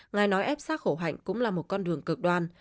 ngài nói ép sát khổ hạnh cũng là một con đường cực đoan